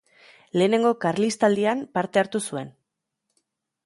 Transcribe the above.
Lehenengo Karlistaldian parte hartu zuen.